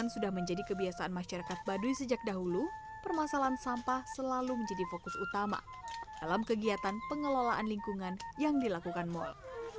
sejak berdekat baduy sejak dahulu permasalahan sampah selalu menjadi fokus utama dalam kegiatan pengelolaan lingkungan yang dilakukan mol